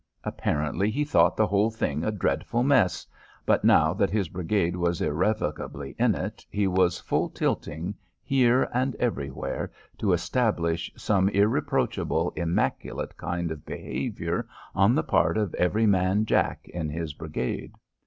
Apparently he thought the whole thing a dreadful mess, but now that his brigade was irrevocably in it he was full tilting here and everywhere to establish some irreproachable, immaculate kind of behaviour on the part of every man jack in his brigade.